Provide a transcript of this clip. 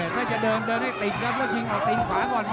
ถ้าจะเดินให้ติดแล้วพอชิงออกตีนขวาก่อน